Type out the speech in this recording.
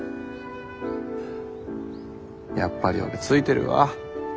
やっぱり俺ついてるわ。